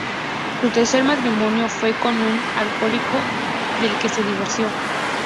Su tercer matrimonio fue con un alcohólico del que se divorció.